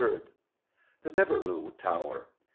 _The Devereux Tower.